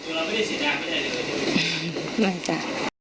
อืมไม่จ๊ะ